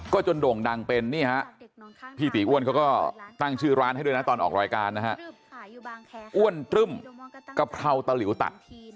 ก็จนโด่งดังเป็นนี่ฮะพี่ตีอ้วนเขาก็ตั้งชื่อร้านให้ด้วยนะตอนออกรายการนะฮะอ้วนตรึ่มกะเพราตะหลิวตัด